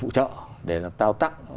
hỗ trợ để tạo tăng